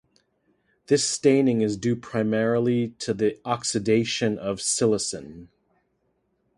This staining is due primarily to the oxidation of psilocin.